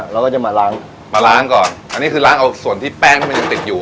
เราก็จะมาล้างมาล้างก่อนอันนี้คือล้างเอาส่วนที่แป้งที่มันยังติดอยู่